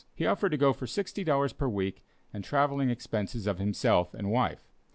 He offered to go for $60 per week and travelling expenses of himself and wife.